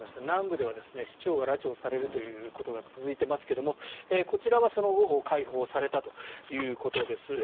南部では市長が拉致されるということが続いていますがこちらはその後、解放されたということです。